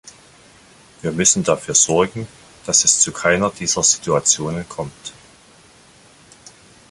Wir müssen dafür sorgen, dass es zu keiner dieser Situationen kommt.